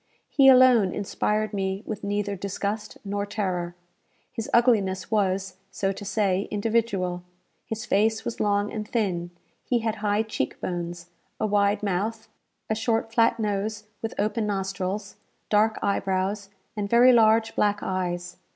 He alone inspired me with neither disgust nor terror. His ugliness was, so to say, individual. His face was long and thin; he had high cheek bones, a wide mouth, a short flat nose with open nostrils, dark eyebrows, and very large black eyes.